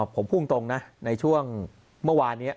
ผมพูดตรงนะในช่วงเมื่อวานนี้